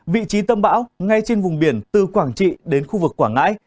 vị trí tâm bão ngay trên vùng biển từ quảng trị đến khu vực quảng ngãi